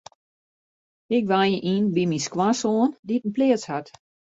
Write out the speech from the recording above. Ik wenje yn by my skoansoan dy't in pleats hat.